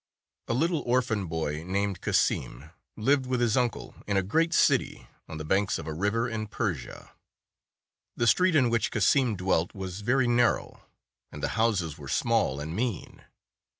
A little orphan boy, named Cassim, lived with his uncle in a great city on the banks of a river in Persia. The street in which Cassim dwelt was very narrow, and the houses were small and mean.